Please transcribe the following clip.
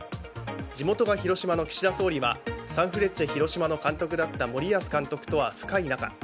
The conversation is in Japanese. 地元が広島の岸田総理はサンフレッチェ広島の監督だった森保監督とは深い仲。